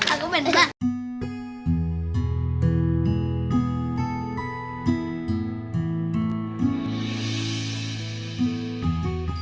aku main pak